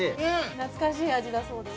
懐かしい味だそうです。